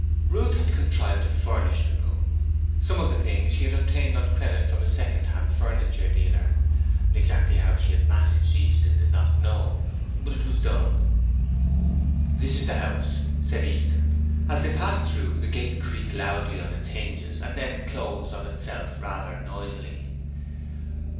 Ruth had contrived to furnish the room. Some of the things she had obtained on credit from a second hand furniture dealer. Exactly how she had managed, Easton did not know, but it was done. 'This is the house,' said Easton. As they passed through, the gate creaked loudly on its hinges and then closed of itself rather noisily.